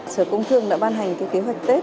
sở công thương đã ban hành kế hoạch tết